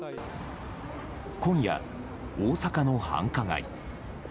今夜、大阪の繁華街。